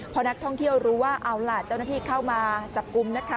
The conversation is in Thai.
พอนักท่องเที่ยวรู้ว่าเอาล่ะเจ้าหน้าที่เข้ามาจับกลุ่มนะคะ